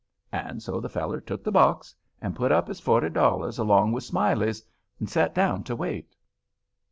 And so the feller took the box, and put up his forty dollars along with Smiley's, and set down to wait.